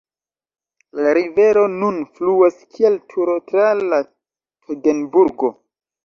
La rivero nun fluas kiel Turo tra la Togenburgo.